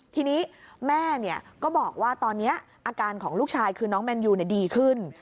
ทีนี้แม่ก็บอกว่าตอนนี้อาการของลูกชายคือน้องแมนยูดีขึ้น